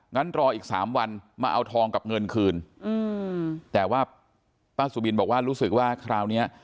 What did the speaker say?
งั้นรออีกสามวันมาเอาทองกับเงินคืนอืมแต่ว่าป้าสุบินบอกว่ารู้สึกว่าคราวเนี้ย